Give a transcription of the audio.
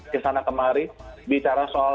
ke sana kemari bicara soal